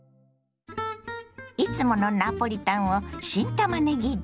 いつものナポリタンを新たまねぎで。